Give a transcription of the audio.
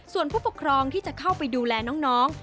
ส่วนผู้ปกครองที่จะเข้าไปดูแลน้อง